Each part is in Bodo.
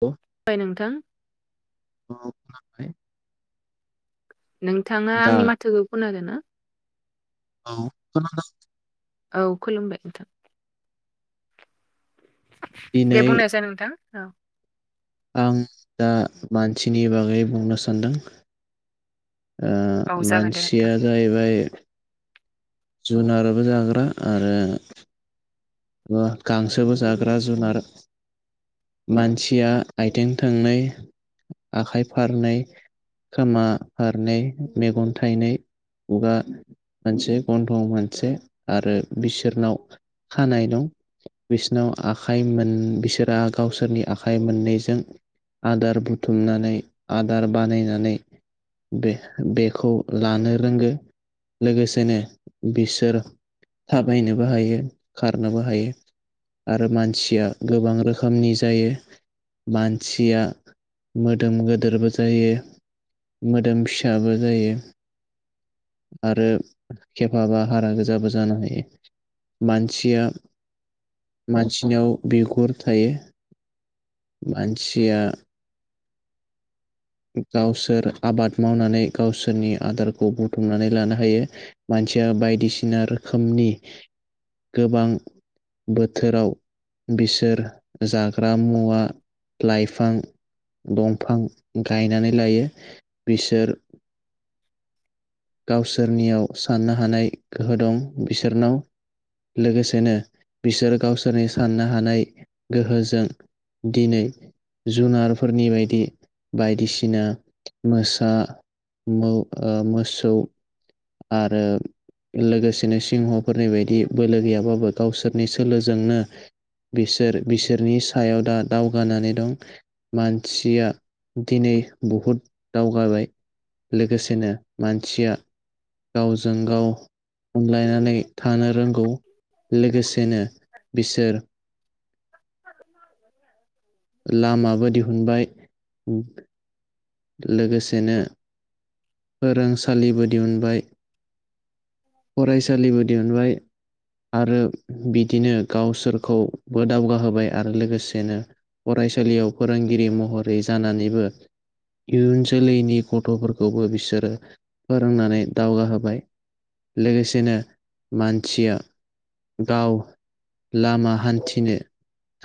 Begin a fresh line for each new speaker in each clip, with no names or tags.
औ
बाय नोंथां
[unintelligible]
नोंथाङा
दा
आंनि माथोखौ खोनादोंना?
औ
औ खुलुमबाय नोंथां दे
दिनै
बुंनायसाय नोंथां औ
आं दा मानसिनि बागै बुंनो सानदों
औ
ओ
जागोन दे नोंथां
मानसिया जाहैबाय जुनाराबो जाग्रा आरो गांसोबो जाग्रा जुनार मानसिया आथिं थोंनै, आखाइ फारनै खोमा फारनै, मेगन थाइनै, खुगा मोनसे गन्थं मोनसे आरो बिसोरनाव खानाय दं। बिसिनाव आखाइ मोन बिसोरा गावसोरनि आखाइ मोननैजों आदार बुथुमनानै आदार बानायनानै बे बेखौ लानो रोंगो। लोगोसेनो बिसोर थाबायनोबो हायो। खारनोबो हायो आरो मानसिया गोबां रोखोमनि जायो। मानसिया मोदोम गेदेरबो जायो मोदोम फिसाबो जायो। आरो खेफाबा हारा गोजाबो जानो हायो मान सिया मानसिनाव बिगुर थायो। मानसिया गावसोर आबाद मावनानै गावसोरनि आदारखौ बुथुमनानै लानो हायो मानसिया बायदिसिना रोखोमनि गोबां बोथोराव बिसोर जाग्रा मुवा लाइफां दंफां गायनानै लायो बिसोर गावसोरनियाव साननो हानाय गोहो दं बिसोरनाव। लोगोसेनो बिसोर गावसोरनि साननो हानाय गोहोजों दिनै जुनारफोरनि बायदि बायदिसिना मोसा मो ओ मोसौ आरो लोगोसेनो सिंहफोरनि बायदि बोलो गैयाबाबो गावसोरनि सोलोजोंनो बिसोर बिसोरनि सायाव दा दावगानानै दं मानसिया दिनै बहुद दावगाबाय लोगोसेनो मानसिया गावजों गाव अनलायनानै थानो रोंगौ लोगोसेनो बिसोर लामाबो दिहुनबाय [inaudible] लोगोसेनो फोरोंसालिबो दिहुनबाय फरायसालिबो दिहुनबाय आरो बिदिनो गावसोरखौबो दावगाहोबाय आरो लोगोसेनो फरायसालियाव फोरोंगिरि महरै जानानैबो इयुन जोलैनि गथ'फोरखौबो बिसोरो फोरोंनानै दावगाहोबाय लोगोसेनो मानसिया गाव लामा हान्थिनो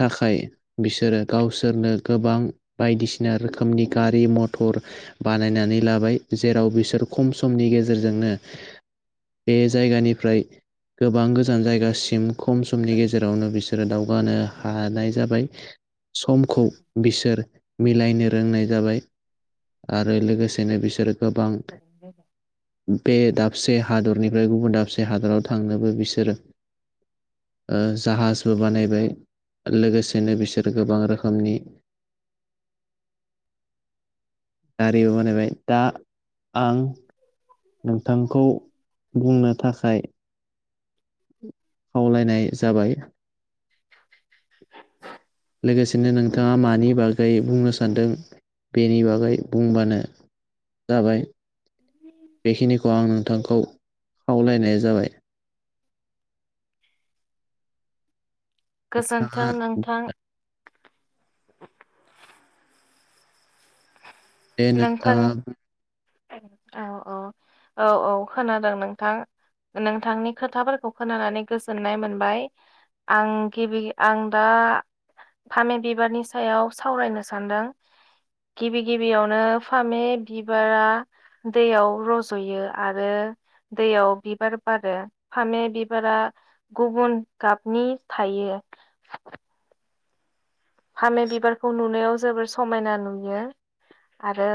थाखाय बिसोरो गावसोरनो गोबां बायदिसिना रोखोमनि गा रि मथर बानायनानै लाबाय जेराव बिसोर खम समनि गेजेरजोंनो बे जायगानिफ्राय गोबां गोजान जायगासिम खम समनि गेजेरावनो बिसोरो दावगानो हानाय जाबाय समखौ बिसोर मिलायनो रोंनाय जाबाय। आरो लोगोसेनो बिसोरो गोबां
[inaudible]
बे दाबसे हादरनिफ्राय गुबुन दाबसे हादराव थांनोबो बिसोरो ओ जाहाजबो बानायबाय लोगोसेनो बिसोर गोबां रोखोमनि दारिबो बानायबाय दा आं नोंथांखौ बुंनो थाखाय खावलायनाय जाबाय लोगोसेनो नोंथाङा मानि बागै बुंनो सानदों बेनि बागै बुंबानो जाबाय बेखिनिखौ आं नोंथांखौ खावलायनाय जाबाय
गोजोन्थों
नोंथाङा
नोंथां।
बे नोंथाङा
नोंथां
[inaudible]
औ औ औ औ खोनादों नोंथां नोंथांनि खोथाफोरखौ खोनानानै गोजोननाय मोनबाय आं गिबि आं दा फामि बिबारनि सायाव सावरायनो सानदों गिबि गिबि बेयावनो फामे बिबारा दैयाव रज'यो आरो दैयाव बिबार बारो फामे बिबारा गुबुन गाबनि थायो फामे बिबारखौ नुनायाव जोबोर समायना नु आरो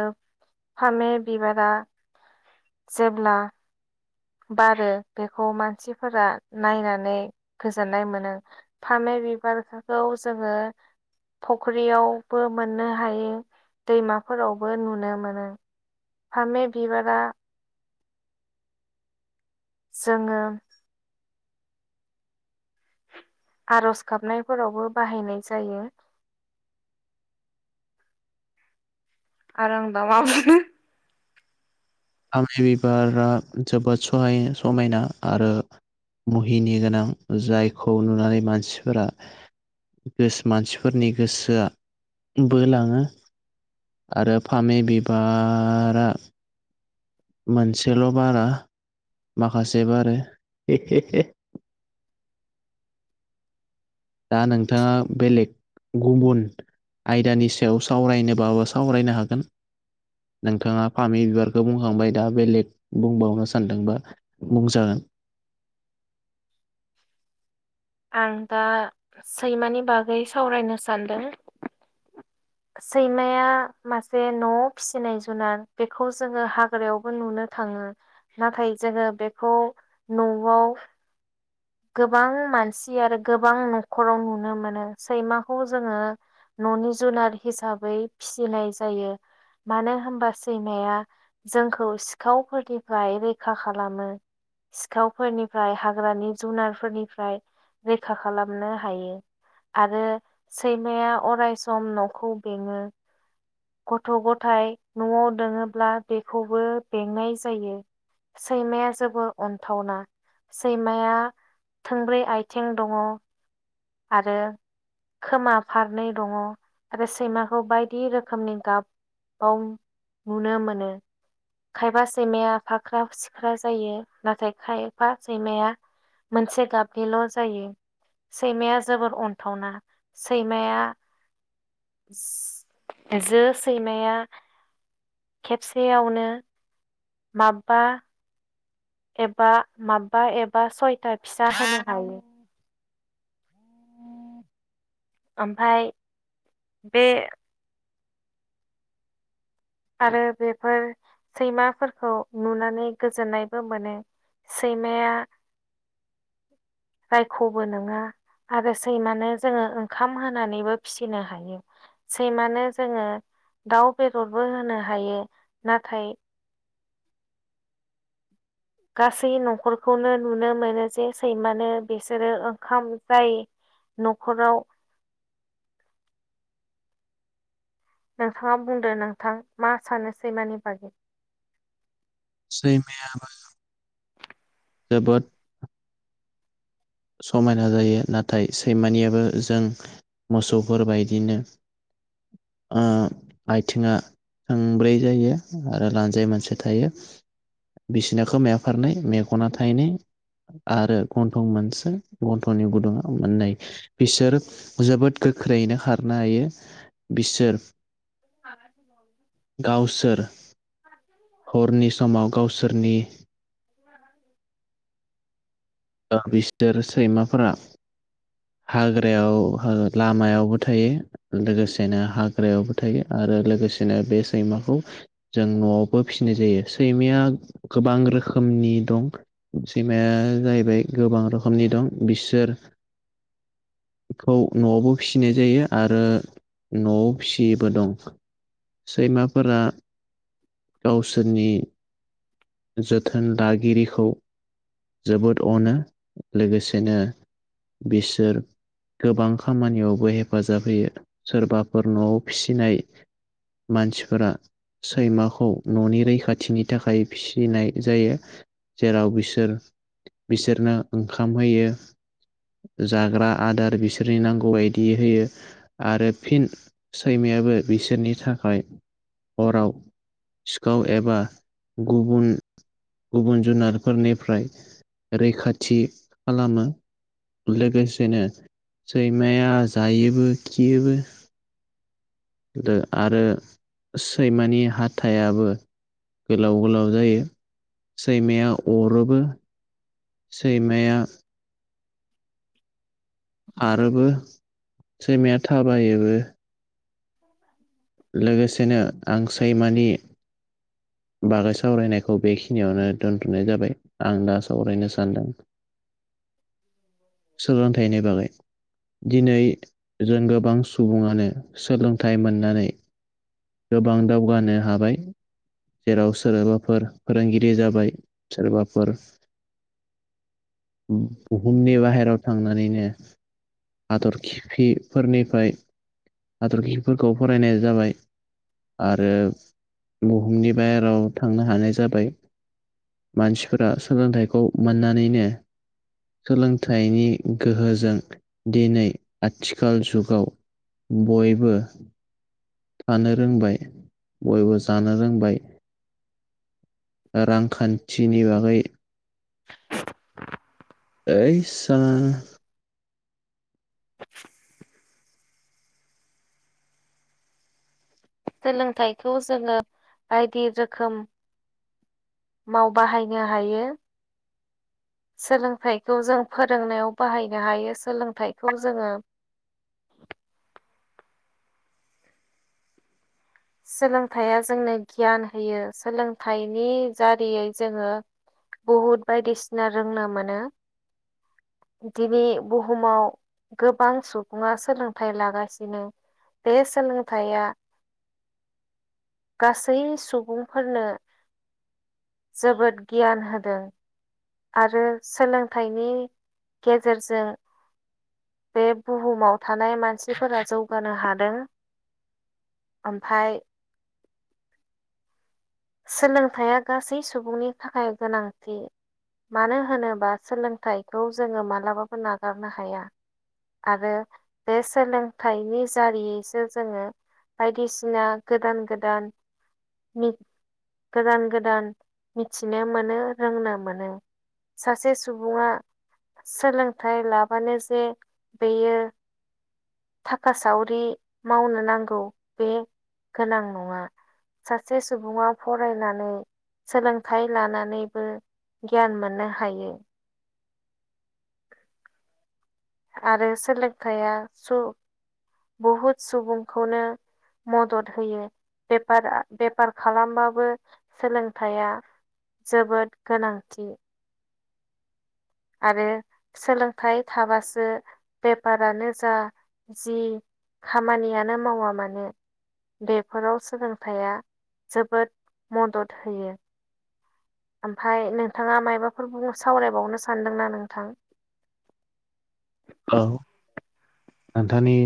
फामे बिबारा जेब्ला बारो बेखौ मानसिफोरा नायनानै गोजोननाय मोनो। फामे बिबारखौ जोङो फख्रियावबो मोननो हायो दैमाफोरावबो नुनो मोनो। फामे बिबारा जोङो आर'ज गाबनायफोरावबो बाहायनाय जायो आरो आं दामाबो
फामे बिबारा जोबोद सहाय समायना आरो मुहिनि गोनां जायखौ नुनानै मानसिफोरा गोसो मानसिफोरनि गोसोआ बोलाङो आरो फामि बिबारा मोनसेल' बारा माखासे बारो दा नोंथाङा बेलेग गुबुन आयदानि सायाव सावरायनोबाबो सावरायनो हागोन। नोंथाङा फामि बिबारखौ बुंखांबाय दा बेलेग बुंबावनो सानदोंबा बुंजागोन।
आं दा सैमानि बागै सावरायनो सानदों। सैमाया मासे न'आव फिसिनाय जुनार बेखौ जोङो हाग्रायावबो नुनो थाङो नाथाय जोङो बेखौ न'आव गोबां मानसि आरो गोबां न'खराव नुनो मोनो सैमाखौ जोङो न'नि जुनार हिसाबै फिसिनाय जायो मानो होनबा सैमाया जोंखौ सिखावफोरनिफ्राय रैखा खालामो। सिखावफोरनिफ्राय हाग्रानि जुनारफोरनिफ्राय रैखा खालामनो हायो। आरो सैमाया अराय सम न'खौ बेङो। गथ' गथाय न'आव दोङोब्ला बेखौबो बेंनाय जायो। सैमाया जोबोर अन्थावना सैमाया थोंब्रै आइथिं दङ। आरो खोमा फारनै दङ आरो सैमाखौ बायदि रोखोमनि गाब बाव नुनो मोनो। खायफा सैमाया फाख्रा सिख्रा जायो नाथाय खायफा सैमाया मोनसे गाबनिल' जायो। सैमाया जोबोर अन्थावना सैमाया जो सैमाया खेबसेयावनो माबबा एबा माबबा एबा सयथा फिसा होनो हायो। आमफाय बे आरो बेफोर सैमाफोरखौ नुनानै गोजोननायबो मोनो। सैमाया रायख'बो नोङा आरो सैमानो जोङो ओंखाम होनानैबो फिसिनो हायो। सैमानो जोङो दाउ बेदरबो होनो हायो नाथाय गासै न'खरखौनो नुनो मोनो जे सैमानो बिसोरो ओंखाम जाय न'खराव नोंथाङा बुंदो नोंथां मा सानो सैमानि बागै
सैमायाबो जोबोद समायना जायो नाथाय सैमानियाबो जों मोसौफोरबायदिनो आइथिङा थोंब्रै जायो आरो लानजाय मोनसे थायो। बिसिना खोमाया फारनै मेगना थाइनै आरो गन्थं मोनसे गन्थं'नि गुदुङा मोननै। बिसोर जोबोद गोख्रैनो खारनो हायो। बिसोर गावसोर हरनि समाव गावसोरनि बिसोर सैमाफोरा हाग्रायाव लामायावबो थायो। लोगोसेनो हाग्रायावबो थायो आरो लोगोसेनो बे सैमाखौ जों न'आवबो फिसिनाय जायो सैमाया गोबां रोखोमनि दं सैमाया जाहैबाय गोबां रोखोमनि दं बिसोर बेखौ न'आवबो फिसिनाय जायो आरो न'आव फिसियैबो दं सैमाफोरा गावसोरनि जोथोन लागिरिखौ जोबोद अनो लोगोसेनो बिसोर गोबां खामानियावबो हेफाजाब होयो सोरबाफोर न'आव फिसिनाय मानसिफोरा सैमाखौ न'नि रैखाथिनि थाखाय फिसिनाय जायो। जेराव बिसोर बिसोरनो ओंखाम होयो। जाग्रा आदार बिसोरनि नांगौ बायदि होयो। आरो फिन सैमायाबो बिसोरनि थाखाय हराव सिखाव एबा गुबुन गुबुन जुनारफोरनिफ्राय रैखाथि खालामो। लोगोसेनो सैमाया जायोबो खियोबो। आरो सैमानि हाथायाबो गोलाव गोलाव जायो सैमाया अरोबो। सैमाया आरोबो सैमाया थाबायोबो।
[inaudible]
लोगोसेनो आं सैमानि बागै सावरायनायखौ बेखिनियावनो दोनथ'नाय जाबाय आं दा सावरायनो सानदों सोलोंथाइनि बागै दिनै जों गोबां सुबुङानो सोलोंथाइ मोननानै गोबां दावगानो हाबाय। जेराव सोरबाफोर फोरोंगिरि जाबाय सोरबाफोर बुहुमनि बाहेरायाव थांनानैनो आदर खिफिफोरनिफ्राय हाथरखिफोरखौ फरायनाय जाबाय आरो बुहुमनि बायेराव थांनो हानाय जाबाय। मानसिफोरा सोलोंथाइखौ मोननानैनो सोलोंथाइनि गोहोजों दिनै आथिखाल जुगाव बयबो थानो रोंबाय बयबो जानो रोंबाय। रांखान्थिनि बागै [unintelligible]
सोलोंथाइखौ जोङो बायदि रोखोम माव बाहायनो हायो। सोलोंथाइखौ जों फोरोंनायाव बाहायनो हायो सोलोंथाइखौ जोङो सोलोंथाइया जोंनो गियान होयो सोलोंथाइनि दारियै जोङो बहुद बायदिसिना रोंनो मोनो। दिनै बुहुमाव गोबां सुबुङा सोलोंथाइ लागासिनो बे सोलोंथाया गासै सुबुंफोरनो जोबोद गियान होदों। आरो सोलोंथाइनि गेजेरजों बे बुहुमाव थानाय मानसिफोरा जौगानो हादों। ओमफ्राय सोलोंथाइया गासै सुबुंनि थाखाय गोनांथि। मानो होनोबा सोलोंथाइखौ जोङो मालाबाबो नागारनो हाया। आरो बे सोलोंथाइनि जारियैसो जोङो बायदिसिना गोदान गोदान गोदान गोदान मिथिनो मोनो रोंनो मोनो। सासे सुबुङा सोलोंथाइ लाबानो जे बेयो थाखा सावरि मावनो नांगौ बे गोनां नङा। सासे सुबुङा फरायनानै सोलोंथाइ लानानैबो गियान मोननो हायो। आरो सोलोंथाइया सु बुहुद सुबुंखौनो मदद होयो बेपारा-बेपार खालामबाबो सोलोंथाइया जोबोद गोनांथि आरो सोलोंथाइ थाबासो बेपारानो जा जि खामानियानो मावा मानो। बेफोराव सोलोंथाइया जोबोद मदद होयो। ओमफ्राय नोंथाङा मायबाफोर बुंनो सावरायबावनो सानदों ना नोंथां?
औ नोंथांनि